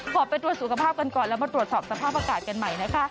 ขอไปตรวจสุขภาพกันก่อนแล้วมาตรวจสอบสภาพอากาศกันใหม่นะคะ